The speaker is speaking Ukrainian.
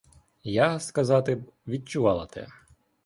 Я, сказати б, відчувала те.